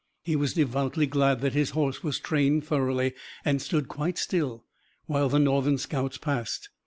He was devoutly glad that his horse was trained thoroughly and stood quite still while the Northern scouts passed.